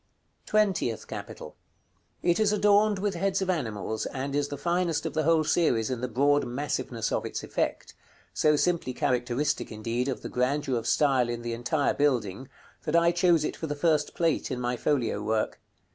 § CXVIII. TWENTIETH CAPITAL. It is adorned with heads of animals, and is the finest of the whole series in the broad massiveness of its effect; so simply characteristic, indeed, of the grandeur of style in the entire building, that I chose it for the first Plate in my folio work.